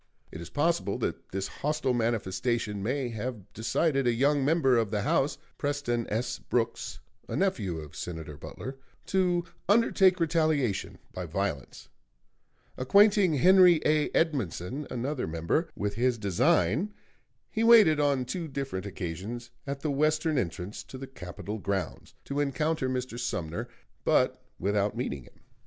It is possible that this hostile manifestation may have decided a young member of the House, Preston S. Brooks, a nephew of Senator Butler, to undertake retaliation by violence. Acquainting Henry A. Edmundson, another member, with his design, he waited on two different occasions at the western entrance to the Capitol grounds to encounter Mr. Sumner, but without meeting him.